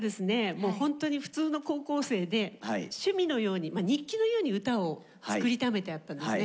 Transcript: もうほんとに普通の高校生で趣味のようにまあ日記のように歌を作りためてあったんですね。